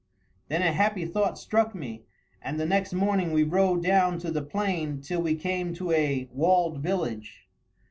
Then a happy thought struck me, and the next morning we rode down to the plain till we came to a walled village.